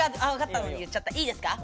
いいですか？